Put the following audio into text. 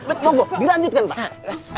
pobo diranjutkan pak